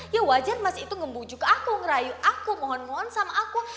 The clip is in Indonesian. ya wajar mas itu ngembujuk aku ngerayu aku mohon mohon sama aku